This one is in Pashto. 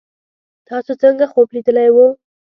تاسو څنګه خوب لیدلی وو